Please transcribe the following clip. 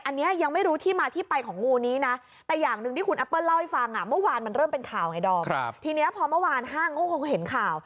อันเนี้ยยังไม่รู้ที่มาที่ไปของงูนี้นะ